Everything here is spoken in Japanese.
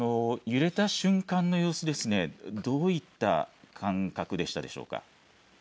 揺れた瞬間の様子、どういった感覚でしたでしょうか。